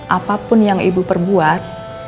apapun yang ibu perbuat